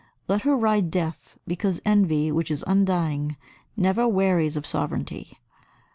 Let her ride Death, because Envy, which is undying, never wearies of sovereignty.